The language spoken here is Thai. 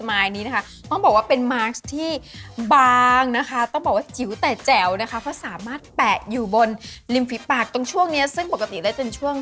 นี้นะคะต้องบอกว่าเป็นมาร์คที่บางนะคะต้องบอกว่าจิ๋วแต่แจ๋วนะคะเพราะสามารถแปะอยู่บนริมฝีปากตรงช่วงนี้ซึ่งปกติแล้วเป็นช่วง